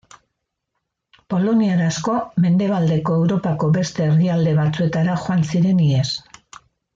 Poloniar asko Mendebaldeko Europako beste herrialde batzuetara joan ziren ihes.